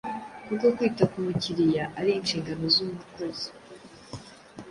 kuko kwita ku mukiriya ari inshingano z’umukozi.